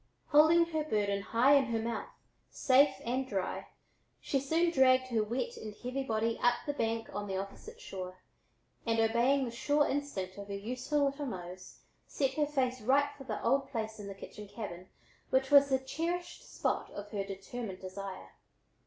Holding her burden high in her mouth, safe and dry, she soon dragged her wet and heavy body up the bank on the opposite shore, and obeying the sure instinct of her useful little nose set her face right for the old place in the kitchen cabin which was the cherished spot of her determined desire.